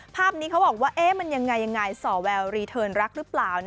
ภาพนี้เขาบอกว่ามันยังไงยังไงส่อแววรีเทิร์นรักหรือเปล่า